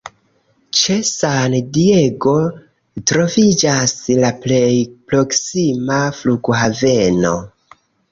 Ĉe San Diego troviĝas la plej proksima flughaveno.